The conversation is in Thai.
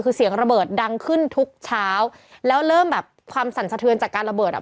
คือเสียงระเบิดดังขึ้นทุกเช้าแล้วเริ่มแบบความสั่นสะเทือนจากการระเบิดอ่ะ